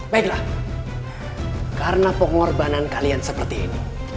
baiklah karena pengorbanan kalian seperti ini